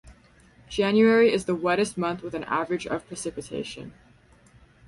January is the wettest month with an average of precipitation.